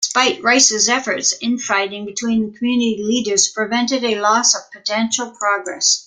Despite Wrice's efforts, infighting between community leaders prevented a lot of potential progress.